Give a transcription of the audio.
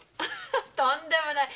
とんでもない！